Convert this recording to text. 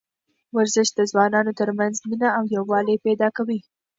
ورزش د ځوانانو ترمنځ مینه او یووالی پیدا کوي.